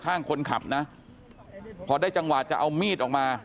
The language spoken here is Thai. ข้างคนขับนะพอได้จังหวะจะเอามีดออกมา